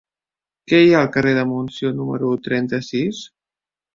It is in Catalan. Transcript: Què hi ha al carrer de Montsió número trenta-sis?